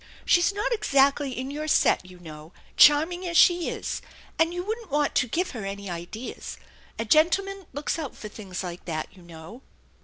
She's not exactly in your set, you know, charming as she is, and you wouldn't want to give her any ideas. A gentleman looks out for things like that, you know."